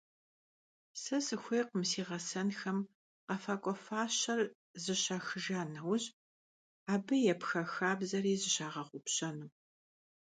Se sıxuêykhım si ğesenxem khefak'ue faşer zışaxıjja neuj, abı yêpxa xabzeri zışağeğupşenu.